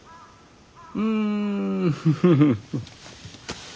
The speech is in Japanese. うんフフフフ。